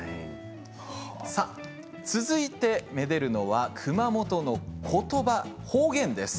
続いてめでるのは熊本のことばです。